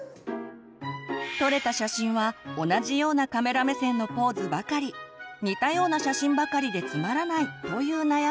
撮れた写真は同じようなカメラ目線のポーズばかり似たような写真ばかりでつまらないという悩みも。